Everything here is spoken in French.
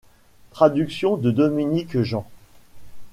Traduction de Dominique Jean.